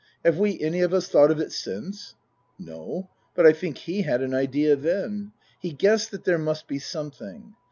Have we any of us thought of it since ?"" No but I think he had an idea then. He guessed that there must be something.